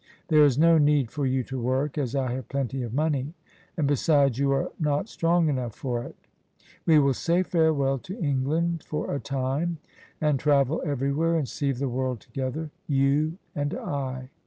There is no need for you to work, as I have plenty of money; and be sides you are not strong enough for it. We will say farewell to England for a time and travel ever5rwhere, and see the world together, you and I."